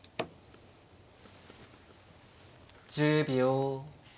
１０秒。